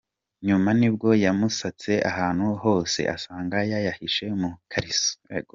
Nyuma nibwo yamusatse ahantu hose asanga yayahishe mu ikariso.